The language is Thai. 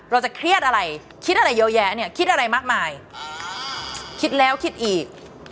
เราจะเครียดอะไรคิดอะไรเยอะแยะเนี่ยคิดอะไรมากมายคิดแล้วคิดอีก